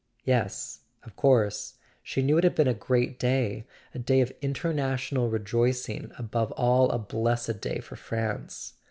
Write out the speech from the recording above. Yes, of course—she knew it had been a great day, a day of international rejoicing, above all a blessed day for France.